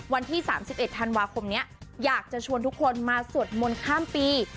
วันที่สามสิบเอ็ดธันวาคมเนี้ยอยากจะชวนทุกคนมาสวดมนต์ข้ามปี